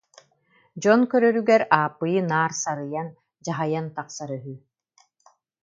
Дьон көрөрүгэр Ааппыйы наар сарыйан, дьаһайан тахсара үһү